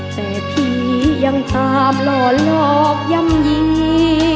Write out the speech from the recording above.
แต่พี่ยังตามหล่อหลอกย่ำยี